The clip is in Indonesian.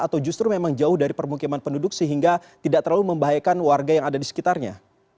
atau justru memang jauh dari permukiman penduduk sehingga tidak terlalu membahayakan warga yang ada di sekitarnya